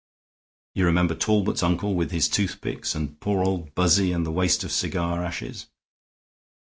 You remember Talbot's uncle with his toothpicks, and poor old Buzzy and the waste of cigar ashes.